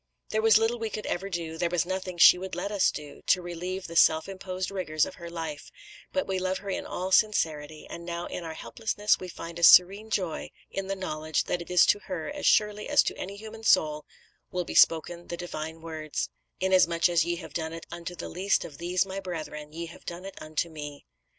There was little we could ever do there was nothing she would let us do to relieve the self imposed rigours of her life; but we love her in all sincerity, and now in our helplessness we find a serene joy in the knowledge that to her, as surely as to any human soul, will be spoken the divine words: "Inasmuch as ye have done it unto the least of these my brethren, ye have done it unto Me."